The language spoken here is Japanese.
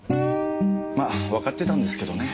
まあわかってたんですけどね。